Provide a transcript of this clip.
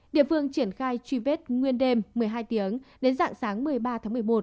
địa phương triển khai truy vết nguyên đêm một mươi hai tiếng đến dạng sáng một mươi ba tháng một mươi một